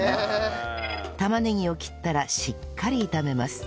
玉ねぎを切ったらしっかり炒めます